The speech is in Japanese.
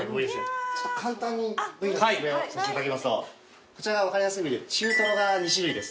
簡単に部位の説明をさしていただきますとこちら分かりやすい部位で中トロが２種類ですね。